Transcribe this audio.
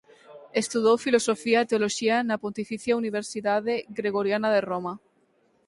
Estudou Filosofía e Teoloxía na Pontificia Universidade Gregoriana de Roma.